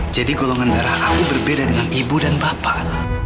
jadi golongan darah aku berbeda dengan ibu dan bapak